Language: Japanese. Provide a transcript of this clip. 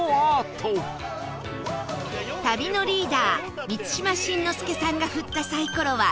旅のリーダー満島真之介さんが振ったサイコロは「２」